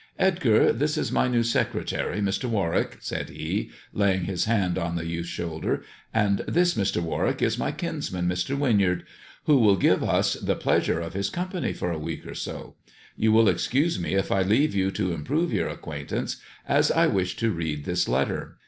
" Edgar, this is my new secretary, Mr. Warwick," said he, laying his hand on the youth's shoulder, " and this, Mr. Warwick, is my kinsman, Mr. Winyard, who will give us the pleasure of his company for a week or so. You will excuse me if I leave you to improve your acquaintance, as I wish to read this letter."